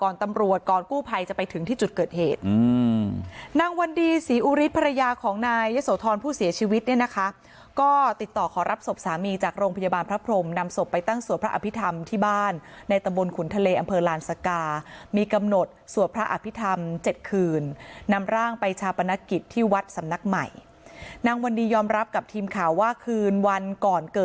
นางวันดีศรีอุริษฐ์ภรรยาของนายยสวทรผู้เสียชีวิตเนี่ยนะคะก็ติดต่อขอรับศพสามีจากโรงพยาบาลพระพรมนำศพไปตั้งสวพระอภิษฐรรมที่บ้านในตะบนขุนทะเลอำเภอลานสกามีกำหนดสวพระอภิษฐรรมเจ็ดคืนนำร่างไปชาปนกิจที่วัดสำนักใหม่นางวันนี้ยอมรับกับทีมข่าวว่าคื